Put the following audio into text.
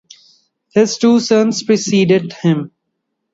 His two sons predeceased him.